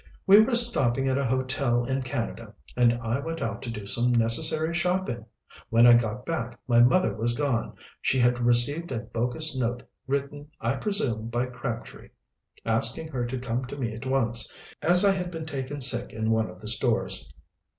"We were stopping at a hotel in Canada and I went out to do some necessary shopping. When I got back my mother was gone. She had received a bogus note, written I presume by Crabtree, asking her to come to me at once, as I had been taken sick in one of the stores.